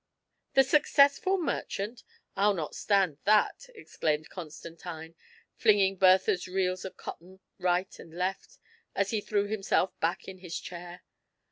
" The Successful Merchant! I'll not stand that!" exclaimed Constantine, flinging Bertha's reels of cotton right and left, as he threw himself back in his chair.